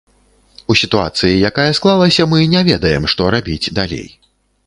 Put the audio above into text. У сітуацыі, якая склалася, мы не ведаем, што рабіць далей.